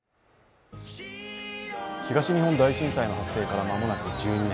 東日本大震災の発生から間もなく１２年。